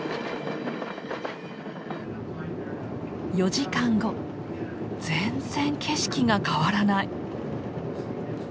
４時間後全然景色が変わらない。